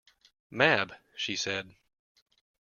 Mab, she said.